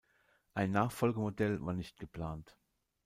Ein Nachfolgemodell war nicht geplant.